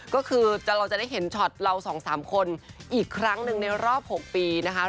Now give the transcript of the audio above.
ก็คือเราจะได้เห็นช็อตเรา๒๓คนอีกครั้งหนึ่งในรอบ๖ปีนะคะ